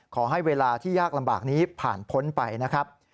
ขอให้เวลาที่ยากลำบากนี้ผ่านพ้นไปนะครับ